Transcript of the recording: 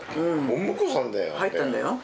お婿さんだよ。